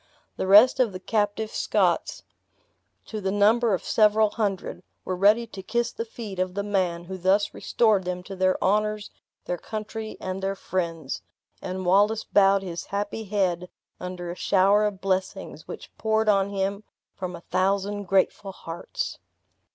The rest of the captive Scots, to the number of several hundred, were ready to kiss the feet of the man who thus restored them to their honors, their country, and their friends, and Wallace bowed his happy head under a shower of blessings which poured on him from a thousand grateful hearts.